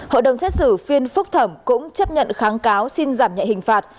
hội đồng xét xử phiên phúc thẩm cũng chấp nhận kháng cáo xin giảm nhẹ hình phạt